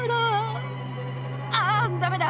ああダメだ！